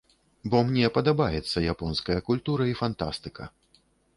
Бо мне падабаецца японская культура і фантастыка.